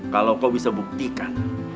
kalau kau bisa buktikan